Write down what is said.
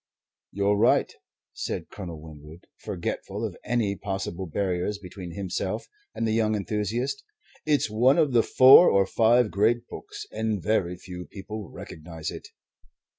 "You're right," said Colonel Winwood, forgetful of any possible barriers between himself and the young enthusiast. "It's one of the four or five great books, and very few people recognize it."